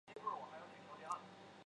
尹克升人。